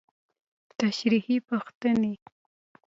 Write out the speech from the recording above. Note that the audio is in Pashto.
تشريحي پوښتنې: